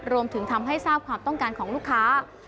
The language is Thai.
รวมถึงทำให้ทราบความต้องการของลูกค้า